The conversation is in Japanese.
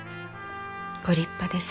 ご立派です。